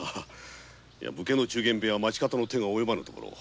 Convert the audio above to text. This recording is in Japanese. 武家の中間部屋は町方の手が及ばぬ所。